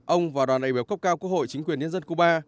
ông và đoàn đại biểu cấp cao quốc hội chính quyền nhân dân cuba